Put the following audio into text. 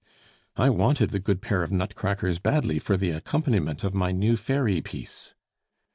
"I wanted the good pair of nutcrackers badly for the accompaniment of my new fairy piece."